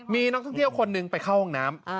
มีนักท่องเที่ยวคนหนึ่งไปเข้าห้องน้ำ